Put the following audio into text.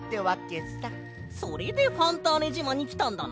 それでファンターネじまにきたんだな。